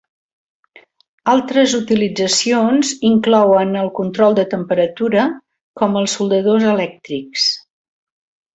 Altres utilitzacions inclouen el control de temperatura, com als soldadors elèctrics.